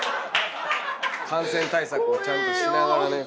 感染対策をちゃんとしながらね。